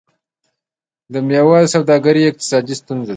د میوو سوداګري د اقتصاد ستون ده.